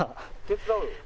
手伝うよ。